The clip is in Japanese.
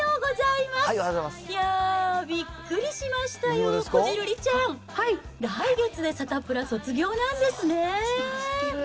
いやー、びっくりしましたよ、こじるりちゃん、来月でサタプラ卒業なんですね。